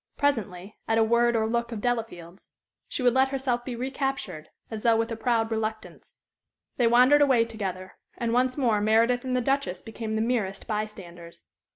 Presently, at a word or look of Delafield's she would let herself be recaptured, as though with a proud reluctance; they wandered away together; and once more Meredith and the Duchess became the merest by standers.